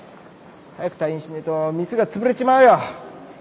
早く退院しねえと店が潰れちまうよ。